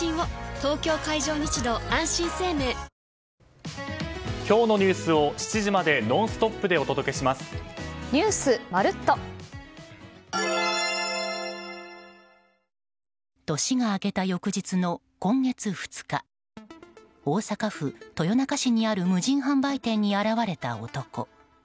東京海上日動あんしん生命年が明けた翌日の今月２日大阪府豊中市にある無人販売店に現れた男。